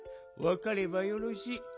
わかればよろしい。